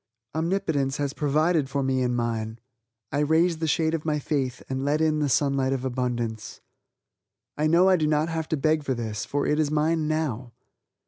Omnipotence has provided for me and mine, I raise the shade of my faith and let in the Sunlight of Abundance. I know I do not have to beg for this, for it is mine now.